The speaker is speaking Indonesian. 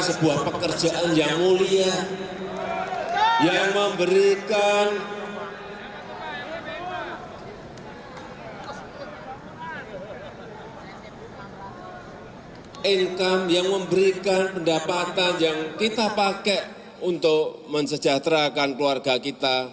sebuah pekerjaan yang mulia yang memberikan income yang memberikan pendapatan yang kita pakai untuk mensejahterakan keluarga kita